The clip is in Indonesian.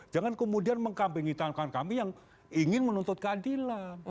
jangan kemudian mengkampingi kawan kawan kami yang ingin menuntut keadilan